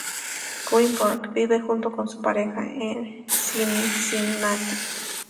Greenberg vive junto a su pareja en Cincinnati.